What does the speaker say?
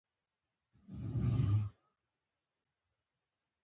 شهسوار په بېړه تر پايڅې ونيو.